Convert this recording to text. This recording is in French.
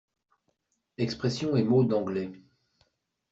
Expressions et mots d’anglais.